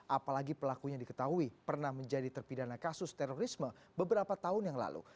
apalagi pelakunya diketahui pernah menjadi terpidana kasus terorisme beberapa tahun yang lalu